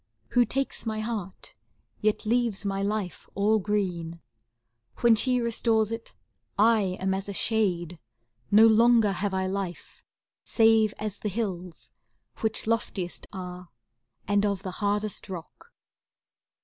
Who takes my heart, yet leaves my life all green. When she restores it, I am as a shade: No longer have I life, save as the hills. Which loftiest are, and of the hardest rock.